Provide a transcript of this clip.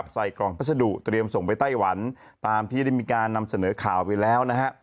ใส่กล่องพัสดุเตรียมส่งไปไต้หวันตามที่ได้มีการนำเสนอข่าวไปแล้วนะฮะ